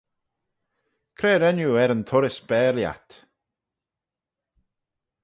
Cre ren oo er yn turrys bare lhiat?